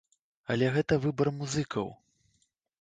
Але гэта выбар музыкаў.